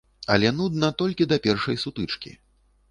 Але нудна толькі да першай сутычкі.